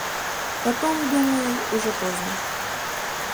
Потом, думаю, уже поздно.